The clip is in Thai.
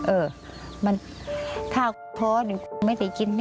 เออมันถ้าพอหนึ่งไม่ได้กินเนี้ย